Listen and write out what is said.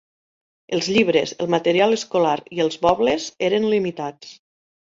Els llibres, el material escolar i els mobles eren limitats.